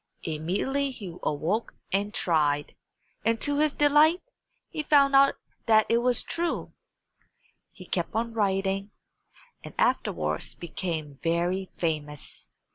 Immediately he awoke and tried, and to his delight he found out that it was true. He kept on writing, and afterwards became very famous.